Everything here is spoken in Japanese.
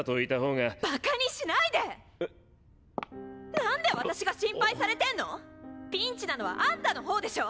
何で私が心配されてんの⁉ピンチなのはアンタのほうでしょ！